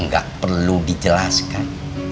gak perlu dijelaskan